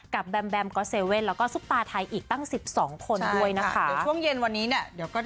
กับแบมแบมก็เซเว่นแล้วก็ซุปปาไทยอีกตั้ง๑๒คนด้วยนะคะ